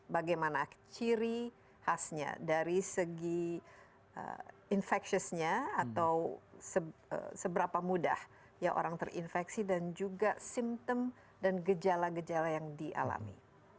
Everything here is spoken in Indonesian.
bagaimana ciri khasnya dari segi infectiousnya atau seberapa mudah orang terinfeksi dan juga simptom dan gejala gejala yang dialami